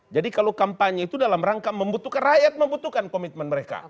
jadi kalau kampanye itu dalam rangka membutuhkan rakyat membutuhkan komitmen mereka